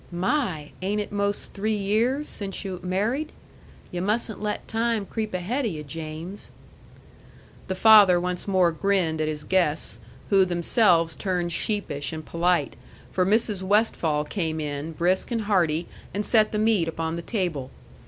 "My! Ain't it most three years since yu' maried? Yu' mustn't let time creep ahaid o' yu', James." The father once more grinned at his guests, who themselves turned sheepish and polite; for Mrs. Westfall came in, brisk and hearty, and set the meat upon the table.